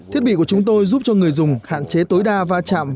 thiết bị của chúng tôi giúp cho người dùng hạn chế tối đa va chạm với các nạn nhân